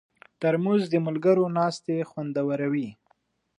ترموز د ملګرو ناستې خوندوروي.